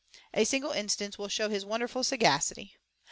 A single instance will show his wonderful sagacity.